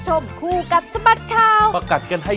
สวัสดีค่ะ